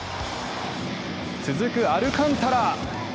続くアルカンタラ！